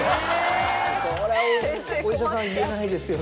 それはお医者さん言えないですよね。